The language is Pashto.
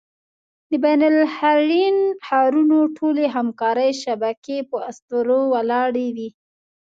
د بین النهرین ښارونو ټولې همکارۍ شبکې په اسطورو ولاړې وې.